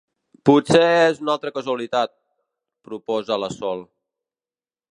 Potser és una altra casualitat —proposa la Sol.